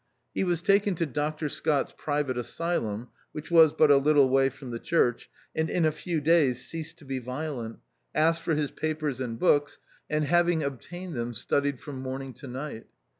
He was taken to Dr Scott's private asylum, which was but a little way from the church, and in a few days ceased to be violent, asked for his papers and books, and having ob THE OUTCAST it tained them, studied from morning to night.